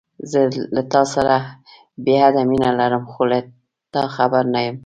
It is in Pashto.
زه له تاسره بې حده مينه لرم، خو له تا خبر نه يم.